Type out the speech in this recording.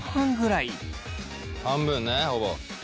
半分ねほぼ。